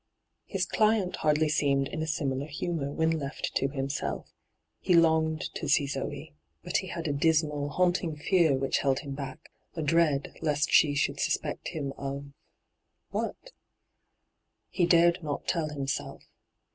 His client hardly seemed in a similar humour when left to himself. He longed to see Zee. But he had a dismal, haunting fear which held him back, a dread lest she should suspect him of — what ? He dared not tell himself.